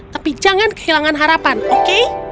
tapi jangan kehilangan harapan oke